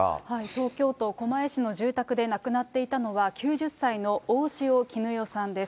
東京都狛江市の住宅で亡くなっていたのは、９０歳の大塩衣与さんです。